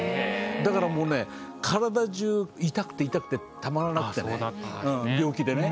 だからもうね体じゅう痛くて痛くてたまらなくてね病気でね。